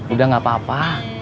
udah gak apa apa